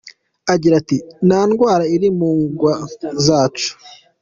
Agira ati “Nta ndwara iri mu ngwa zacu.